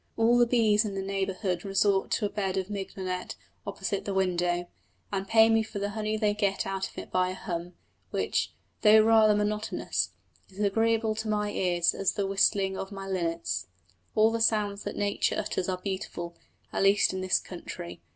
All the bees in the neighbourhood resort to a bed of mignonette opposite to the window, and pay me for the honey they get out of it by a hum, which, though rather monotonous, is as agreeable to my ears as the whistling of my linnets. All the sounds that nature utters are delightful, at least in this country.